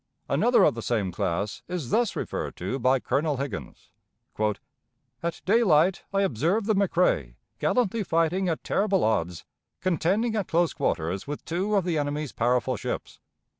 Another of the same class is thus referred to by Colonel Higgins: "At daylight, I observed the McRae, gallantly fighting at terrible odds, contending at close quarters with two of the enemy's powerful ships.